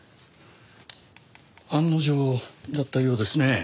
案の定だったようですね。